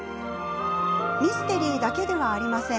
ミステリーだけではありません。